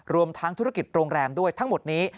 รวมทั้งธุรกิจโรงแรมด้วยทั้งหมดนี้